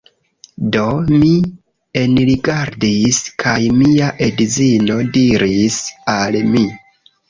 Do, mi enrigardis kaj mia edzino diris al mi